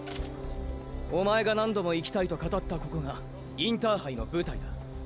おまえが何度も行きたいと語ったここがインターハイの舞台だ。